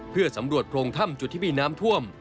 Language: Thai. เพื่อสำรวจโพรงถ้ำจุดที่มีน้ำท่วม